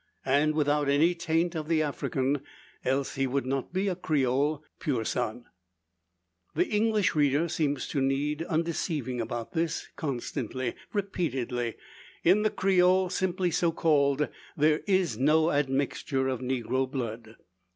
And without any taint of the African; else he would not be a Creole pur sang. The English reader seems to need undeceiving about this, constantly, repeatedly. In the Creole, simply so called, there is no admixture of negro blood.